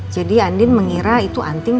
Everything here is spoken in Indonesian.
jadi andin mengira itu antingnya